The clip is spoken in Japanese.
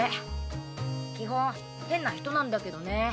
基本変な人なんだけどね。